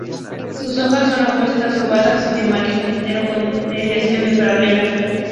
Sus hojas son opuestas, ovadas y de margen entero, con nerviación paralela.